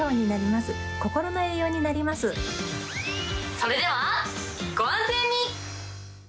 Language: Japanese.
それでは、ご安全に。